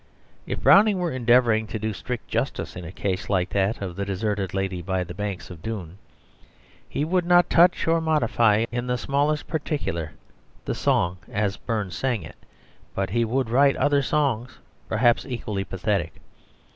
If Browning were endeavouring to do strict justice in a case like that of the deserted lady by the banks of Doon, he would not touch or modify in the smallest particular the song as Burns sang it, but he would write other songs, perhaps equally pathetic.